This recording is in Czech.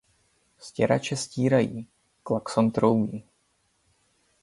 Stěrače stírají, klakson troubí.